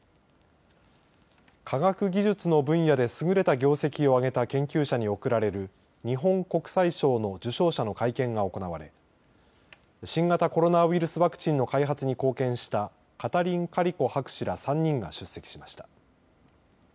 科学技術の分野ですぐれた業績をあげた研究者に贈られる日本国際賞の受賞者の会見が行われ新型コロナウイルスワクチンの開発に貢献したカタリン・カリコ博士ら３人が出席しました。